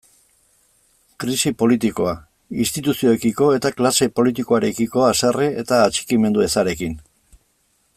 Krisi politikoa, instituzioekiko eta klase politikoarekiko haserre eta atxikimendu ezarekin.